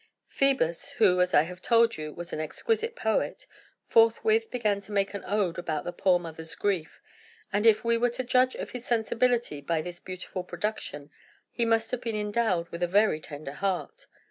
Phœbus (who, as I have told you, was an exquisite poet) forthwith began to make an ode about the poor mother's grief; and, if we were to judge of his sensibility by this beautiful production, he must have been endowed with a very tender heart.